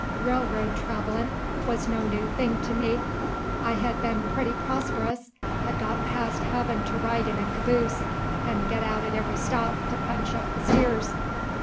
Railroad travellin' wuz no new thing to me. I hed been prutty prosperous, hed got past hevin' to ride in a caboose 'nd git out at every stop to punch up the steers.